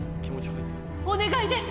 お願いです。